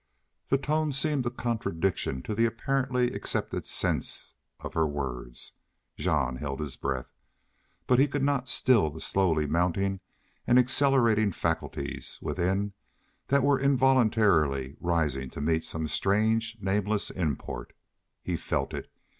The tone seemed a contradiction to the apparently accepted sense of her words. Jean held his breath. But he could not still the slowly mounting and accelerating faculties within that were involuntarily rising to meet some strange, nameless import. He felt it.